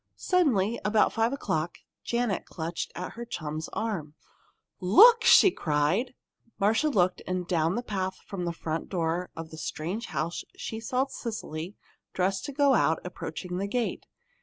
Suddenly, about five o'clock, Janet clutched at her chum's arm. "Look!" she cried. Marcia looked, and down the path from the front door of the strange house she saw Cecily, dressed to go out, approaching the gate.